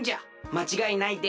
まちがいないで。